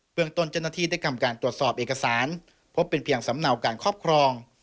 เมืองต้นเจ้าหน้าที่ได้ทำการตรวจสอบเอกสารพบเป็นเพียงสำเนาการครอบครอง